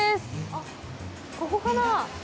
あっ、ここかな？